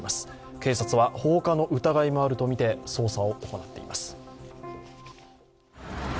警察は放火の疑いもあるとみて捜査を行っています。